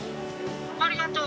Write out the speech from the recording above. ありがとう。